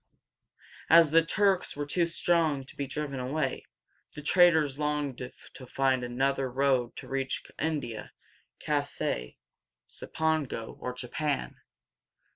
As the Turks were too strong to be driven away, the traders longed to find another road to reach India, Cathay, and Ci pan´go, or Japan.